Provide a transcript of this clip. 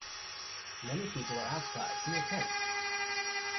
Many people are outside near tents.